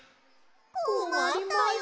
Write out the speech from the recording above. こまったよ。